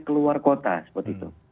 keluar kota seperti itu